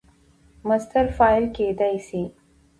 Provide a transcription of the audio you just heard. مصدر فاعل کېدای سي.